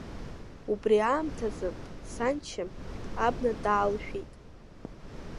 Убри аамҭазы саншьа абна даалшәеит.